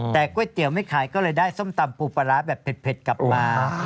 แต่ก๋วยเตี๋ยวไม่ขายก็เลยได้ส้มตำปูปลาร้าแบบเผ็ดกลับมา